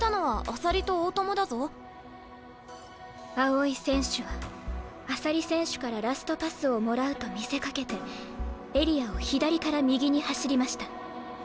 青井選手は朝利選手からラストパスをもらうと見せかけてエリアを左から右に走りました。